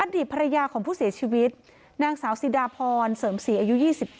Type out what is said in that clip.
ดีตภรรยาของผู้เสียชีวิตนางสาวสิดาพรเสริมศรีอายุ๒๗